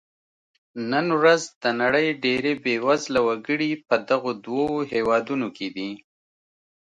نن ورځ د نړۍ ډېری بېوزله وګړي په دغو دوو هېوادونو کې دي.